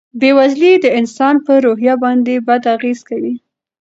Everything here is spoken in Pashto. بېوزلي د انسان په روحیه باندې بد اغېز کوي.